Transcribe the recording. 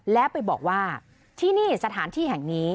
แล้วไปบอกว่าที่นี่สถานที่แห่งนี้